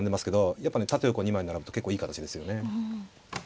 やっぱね縦横２枚並ぶと結構いい形ですよね。